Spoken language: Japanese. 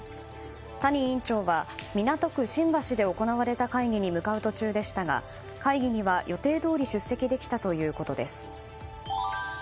谷委員長は港区新橋で行われた会議に向かう途中でしたが会議には予定どおり出席できたということです。